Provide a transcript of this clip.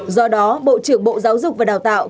do đó bộ trưởng bộ giáo dục và đào tạo